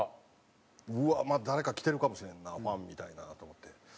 うわまた誰か来てるかもしれんなファンみたいなと思って。